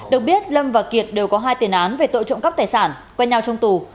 được biết lâm và kiệt đều có hai tiền án về tội trộm cắp tài sản quen nhau trong tù